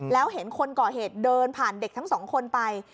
แล้วเห็นคนก่อเหตุเดินผ่านเด็กทั้งสองคนไป